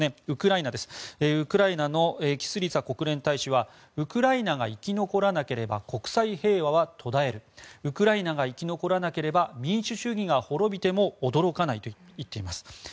ウクライナのキスリツァ国連大使はウクライナが生き残らなければ国際平和は途絶えるウクライナが生き残らなければ民主主義が滅びても驚かないと言っています。